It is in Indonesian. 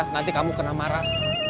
nanti kamu kena marah